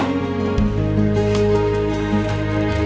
ini mas sepakunya